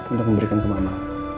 untuk memberikan ke mama